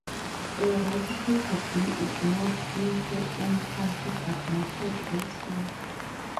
A writer who had been ignored in her own country but noted elsewhere.